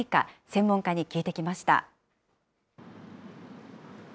専門家に聞いてきました。